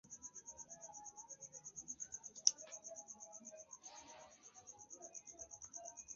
Ĝi rapide regajnis sian renomon pro arte tre altkvalitaj sed samtempe avangardaj prezentaĵoj.